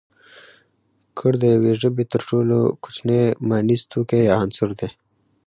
گړ د يوې ژبې تر ټولو کوچنی مانيز توکی يا عنصر دی